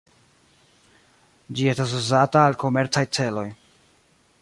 Ĝi estas uzata al komercaj celoj.